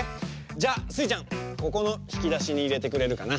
じゃあスイちゃんここのひきだしにいれてくれるかな。